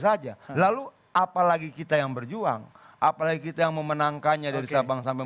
saja lalu apalagi kita yang berjuang apalagi kita yang memenangkannya dari sabang sampai